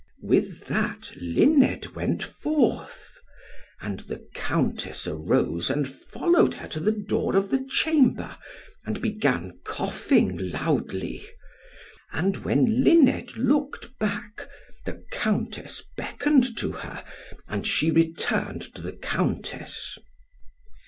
With that Luned went forth; and the Countess arose and followed her to the door of the chamber, and began coughing loudly. And when Luned looked back, the Countess beckoned to her; and she returned to the Countess.